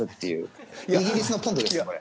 これ、イギリスのポンドです。